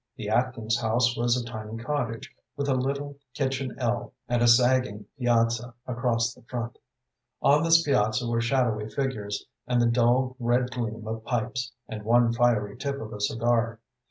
The Atkins house was a tiny cottage, with a little kitchen ell, and a sagging piazza across the front. On this piazza were shadowy figures, and the dull, red gleam of pipes, and one fiery tip of a cigar.